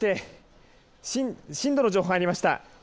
そして震度の情報が入りました。